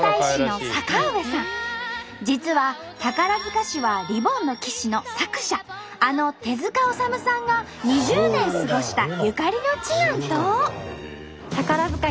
実は宝塚市は「リボンの騎士」の作者あの手治虫さんが２０年過ごしたゆかりの地なんと！